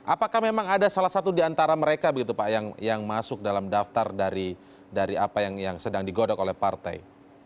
apakah memang ada salah satu di antara mereka begitu pak yang masuk dalam daftar dari apa yang sedang digodok oleh partai